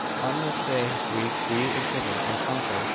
On this day week we exhibit and conquer!